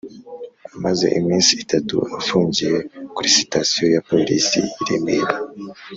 amaze iminsi itatu afungiye kuri sitasiyo ya polisi i remera